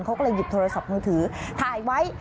เขาก็เลยหยิบโทรศัพท์มือถือถ่ายไว้